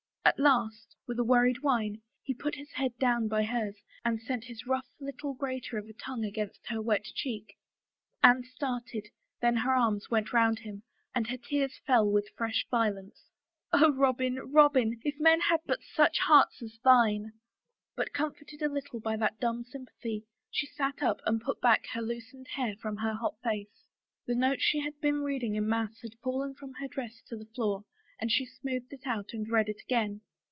At last with a worried whine, he put his head down by hers and sent his rough little grater of a tongue against her wet cheek. 12 A BROKEN BETROTHAL Anne started, then her arms went round him, and her tears fell with fresh violence. "Oh, Robin, Robin — if men had but such hearts as thine —" But comforted a little by that dumb s)rmpathy, she sat up and put back the loosened hair from her hot face. The note she had been reading in mass had fallen from her dress to the floor and she smoothed it out and read it again.